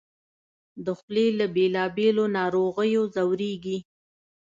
د خولې له بېلابېلو ناروغیو ځورېږي